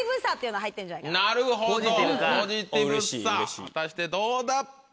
果たしてどうだ？